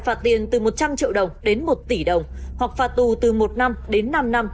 cái đấy một trăm linh nghìn một cân